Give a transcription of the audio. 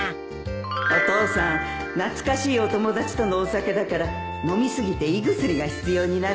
お父さん懐かしいお友達とのお酒だから飲み過ぎて胃薬が必要になるよ